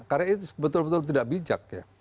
karena itu betul betul tidak bijak ya